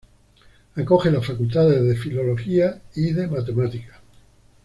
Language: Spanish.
Acoge las facultades de Filología y de Matemáticas.